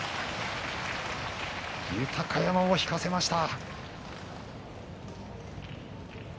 豊山を引かせました。